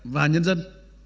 và nhân dân